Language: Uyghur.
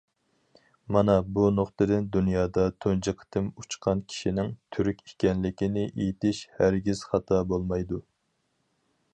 مانا بۇ نۇقتىدىن دۇنيادا تۇنجى قېتىم ئۇچقان كىشىنىڭ تۈرك ئىكەنلىكىنى ئېيتىش ھەرگىز خاتا بولمايدۇ.